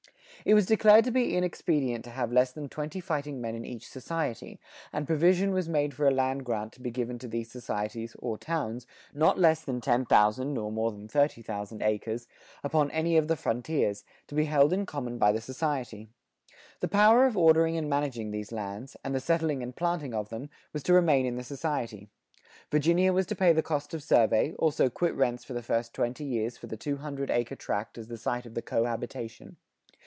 "[85:2] It was declared to be inexpedient to have less than twenty fighting men in each "society," and provision was made for a land grant to be given to these societies (or towns) not less than 10,000 nor more than 30,000 acres upon any of the frontiers, to be held in common by the society. The power of ordering and managing these lands, and the settling and planting of them, was to remain in the society. Virginia was to pay the cost of survey, also quit rents for the first twenty years for the two hundred acre tract as the site of the "co habitation."